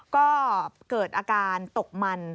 ก็เกิดอาการตกมัน